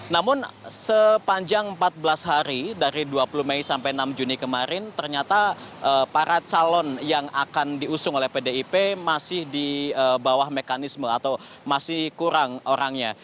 namun sepanjang empat belas hari dari dua puluh mei sampai enam juni kemarin ternyata para calon yang akan diusung oleh pdip masih di bawah mekanisme atau masih kurang orangnya